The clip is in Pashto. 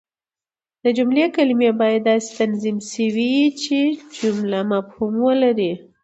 د جملې کلیمې باید داسي تنظیم سوي يي، چي جمله مفهوم ولري.